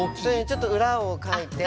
ちょっと裏をかいて。